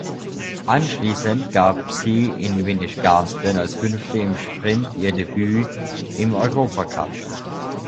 Anschließend gab sie in Windischgarsten als Fünfte im Sprint ihr Debüt im Europacup.